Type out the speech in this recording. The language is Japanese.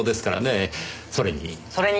それに。